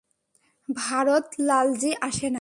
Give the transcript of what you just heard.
ভারত লালজি আসে নাই।